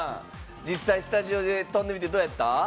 実際スタジオで跳んでみてどうやった？